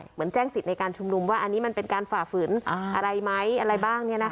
เหมือนแจ้งสิทธิ์ในการชุมนุมว่าอันนี้มันเป็นการฝ่าฝืนอะไรไหมอะไรบ้าง